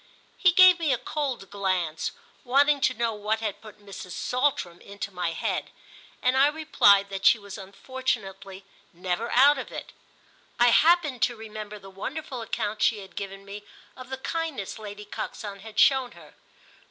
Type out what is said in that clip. He gave me a cold glance, wanting to know what had put Mrs. Saltram into my head, and I replied that she was unfortunately never out of it. I happened to remember the wonderful accounts she had given me of the kindness Lady Coxon had shown her.